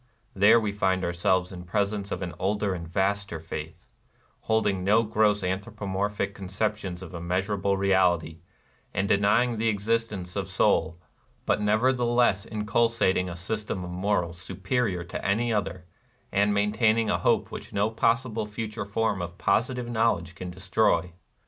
There we find ourselves in presence of an older and a vaster faith, — holding no gross anthropomorphic conceptions of the immeas urable Reality, and denying the existence of soul, but nevertheless inculcating a system of morals superior to any other, and maintaining a hope which no possible future form of posi tive knowledge can destroy.